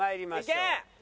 いけ！